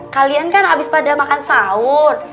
kalian kan habis pada makan sahur